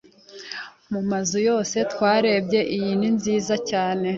Mu mazu yose twarebye, iyi ni nziza cyane.